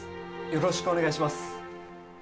よろしくお願いします